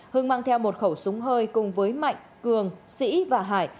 hưng mang theo một khẩu súng hơi cùng với mạnh cường sĩ và hải